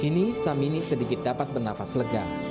kini samini sedikit dapat bernafas lega